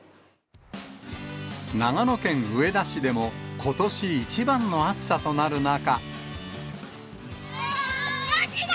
長野県上田市でも、ことし一番の暑さとなる中。